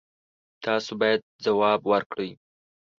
تاسو باید ځواب ورکړئ.